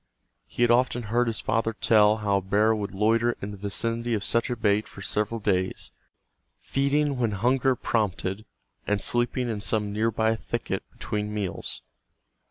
He had often heard his father tell how a bear would loiter in the vicinity of such a bait for several days, feeding when hunger prompted and sleeping in some nearby thicket between meals.